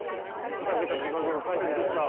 「ふざけた企画が帰ってきた！